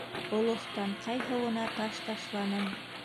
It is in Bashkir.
Олоҫтанҡай һыуына таш ташланым